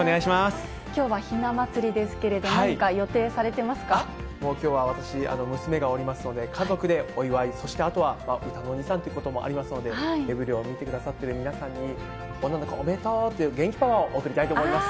きょうはひな祭りですけれども、もう、きょうは私、娘がおりますので、家族でお祝い、そして歌のお兄さんということもありますので、エブリィを見てくださってる皆さんに、女の子おめでとうという元気パワーを送りたいと思います。